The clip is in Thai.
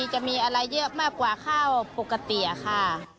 จะมีอะไรเยอะมากกว่าข้าวปกติค่ะ